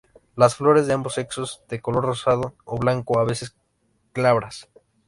Las flores de ambos sexos de color rosado o blanco, a veces, glabras.